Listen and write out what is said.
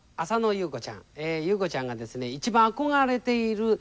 ゆう子ちゃんがですね一番憧れているスタイル